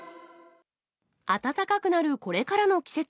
暖かくなるこれからの季節。